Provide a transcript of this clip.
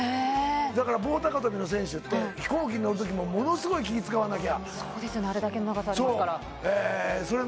棒高跳びの選手って、飛行機に乗るときも、ものすごく気を使わなきゃ。